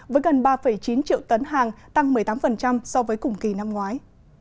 với gần ba chín triệu tấn hàng tăng một mươi tám so với cùng kỳ năm ngoái